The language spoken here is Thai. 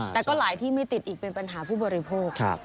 แต่ก็หลายที่ไม่ติดอีกเป็นปัญหาผู้บริโภค